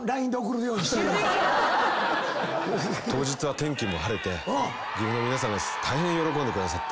当日は天気も晴れて岐阜の皆さん大変喜んでくださって。